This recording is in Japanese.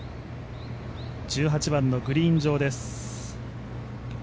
１８番のグリーン上です。